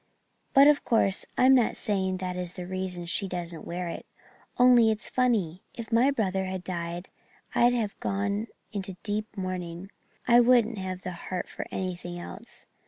But of course I'm not saying that is the reason she doesn't wear it. Only, it's funny. If my brother had died I'd have gone into deep mourning. I wouldn't have had the heart for anything else.